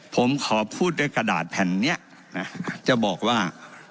ผมขอพูดด้วยกระดาษแผ่นนี้นะจะบอกว่า